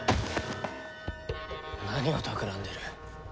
何をたくらんでる？